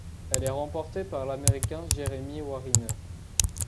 Elle est remportée par l'Américain Jeremy Wariner.